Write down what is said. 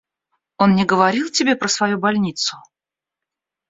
Он не говорил тебе про свою больницу?